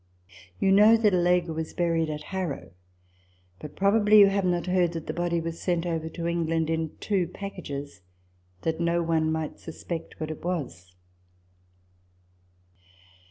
You know that Allegra was buried at Harrow : but probably you have not heard that the body was sent over to England, in two packages, that no one might suspect what it was.